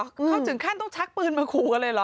เขาจึงต้องชักปืนมาขุกันเลยหรอ